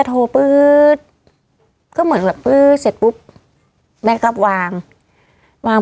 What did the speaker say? ก็โทรพื้มก็เหมือนแบบพื้มเสร็จปุ๊บแม่ก็วาง